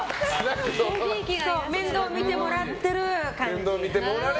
面倒見てもらってる感じ。